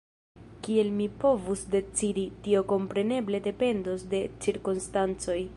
Kiel mi povus decidi, tio kompreneble dependos de cirkonstancoj.